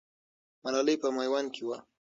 ملالۍ په میوند کې وه.